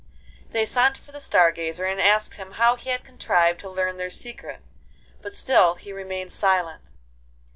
They sent for the Star Gazer, and asked him how he had contrived to learn their secret; but still he remained silent.